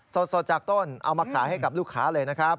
สดจากต้นเอามาขายให้กับลูกค้าเลยนะครับ